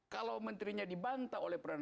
kalau menterinya dibantah oleh peran rakyat